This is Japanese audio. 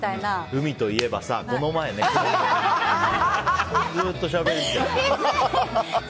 海といえばさ、この前ね。ってずっとしゃべってる。